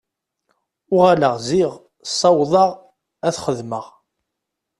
Uɣaleɣ ziɣ, ssawḍeɣ ad t-xedmeɣ.